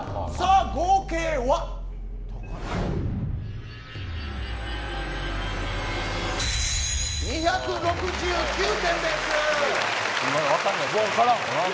合計は２６９点です。